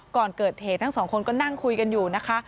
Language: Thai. ก่อนเกิดเหตุทั้งสองคนก็นั่งคุยกันอยู่นะคะ